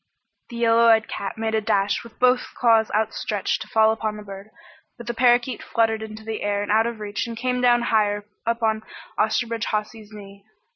The yellow eyed cat made a dash with both clawing paws outstretched to fall upon the bird, but the parakeet fluttered into the air out of reach and came down higher up on Osterbridge Hawsey's knee.